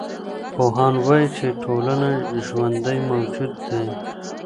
پوهان وايي چي ټولنه ژوندی موجود دی.